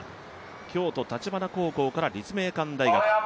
京都橘高校から立命館大学。